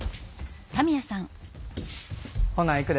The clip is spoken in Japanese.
ほないくで。